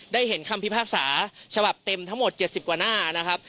เห็นคำพิพากษาฉบับเต็มทั้งหมด๗๐กว่าหน้านะครับ